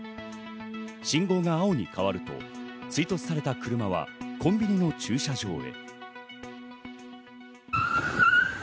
信号が青に変わると追突された車はコンビニの駐車場へ。